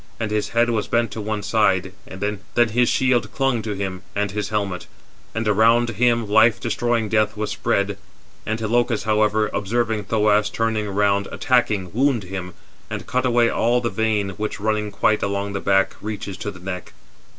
And his head was bent to one side, then his shield clung to him, and his helmet; and around him life destroying death was spread. Antilochus, however, observing Thoas turning around, attacking, wounded him; and cut away all the vein, which, running quite along the back, reaches to the neck.